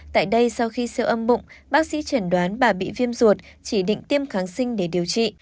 tại đây sau khi siêu âm bụng bác sĩ chẩn đoán bà bị viêm ruột chỉ định tiêm kháng sinh để điều trị